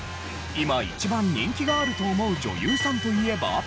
今一番人気があると思う女優さんといえば？